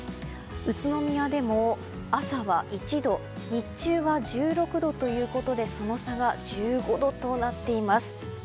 宇都宮でも朝は１度日中は１６度ということでその差が１５度となっています。